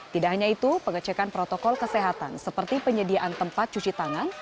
tidak hanya itu pengecekan protokol kesehatan seperti penyediaan tempat cuci tangan